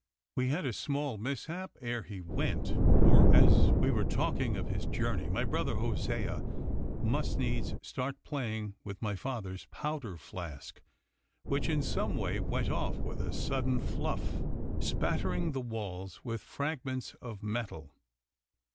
We had a small mishap ere he went, for as we were talking of his journey my brother Hosea must needs start playing with my father's powder flask, which in some way went off with a sudden fluff, spattering the walls with fragments of metal.